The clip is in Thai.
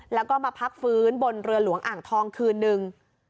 แล้วก็มาพักฟื้นบนเรือหลวงอ่างทองคืนนึง